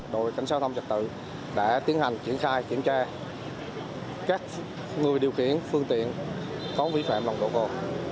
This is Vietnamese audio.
đội cảnh sát giao thông trật tự đã tiến hành kiểm tra các người điều khiển phương tiện có nồng độ cồn